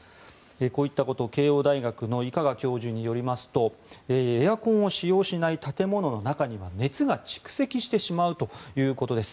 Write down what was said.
こういったことを、慶應大学の伊香賀教授によりますとエアコンを使用しない建物の中には熱が蓄積してしまうということです。